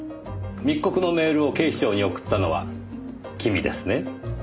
密告のメールを警視庁に送ったのは君ですね？